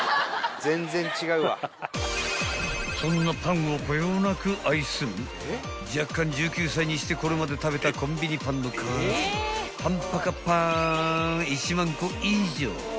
［そんなパンをこよなく愛する弱冠１９歳にしてこれまで食べたコンビニパンの数パンパカパーン１万個以上］